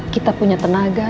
kita punya tenaga